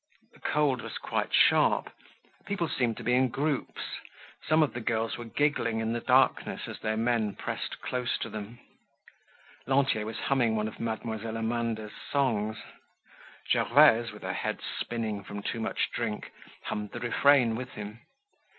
The cold was quite sharp. People seemed to be in groups. Some of the girls were giggling in the darkness as their men pressed close to them. Lantier was humming one of Mademoiselle Amanda's songs. Gervaise, with her head spinning from too much drink, hummed the refrain with him.